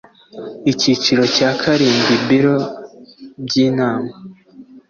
Icyiciro cya karindwi Biro by Inama